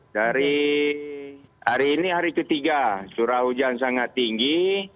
dari hari ini hari ketiga curah hujan sangat tinggi